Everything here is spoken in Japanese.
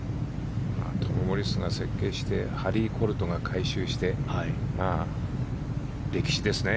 トム・モリスが設計してハリー・コルトが改修して歴史ですね。